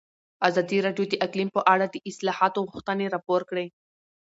ازادي راډیو د اقلیم په اړه د اصلاحاتو غوښتنې راپور کړې.